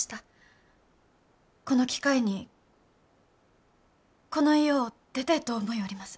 この機会にこの家を出てえと思ようります。